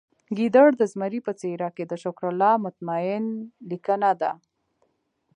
ګیدړ د زمري په څیره کې د شکرالله مطمین لیکنه ده